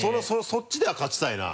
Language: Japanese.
そっちでは勝ちたいな。